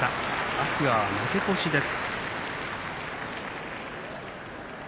天空海は負け越しです。